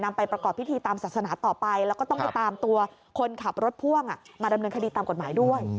ไปประกอบพิธีตามศาสนาต่อไปแล้วก็ต้องไปตามตัวคนขับรถพ่วงมาดำเนินคดีตามกฎหมายด้วย